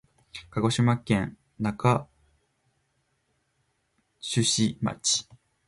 鹿児島県中種子町